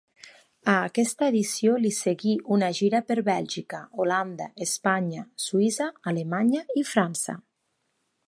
A aquesta edició li seguí una gira per Bèlgica, Holanda, Espanya, Suïssa, Alemanya i França.